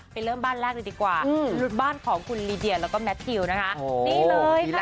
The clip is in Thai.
ไปเริ่มบ้านแรกดีกว่าบ้านของคุณลีเดียแล้วก็แมททิวนะคะ